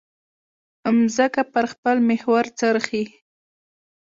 مځکه پر خپل محور څرخي.